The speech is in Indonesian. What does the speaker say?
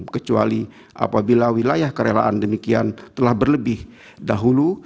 kecuali apabila wilayah kerelaan demikian telah berlebih dahulu